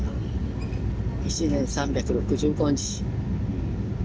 一年３６５日。